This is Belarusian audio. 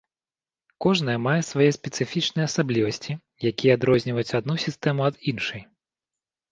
Кожнае мае свае спецыфічныя асаблівасці, якія адрозніваюць адну сістэму ад іншай.